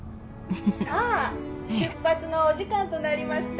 さあ出発のお時間となりました。